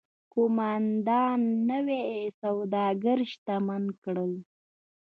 کومېنډا نوي سوداګر شتمن کړل